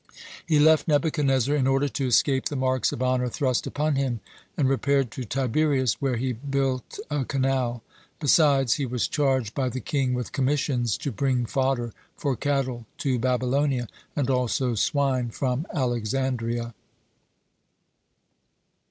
(81) He left Nebuchadnezzar in order to escape the marks of honor thrust upon him, and repaired to Tiberias, where he build a canal. Besides, he was charged by the king with commissions, to bring fodder for cattle to Babylonia and also swine from Alexandria.